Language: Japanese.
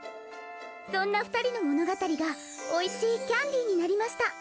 そんな２人の物語がおいしいキャンディになりました。